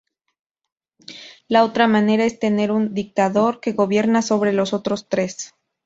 La otra manera es tener un dictador que gobierna sobre los otros tres.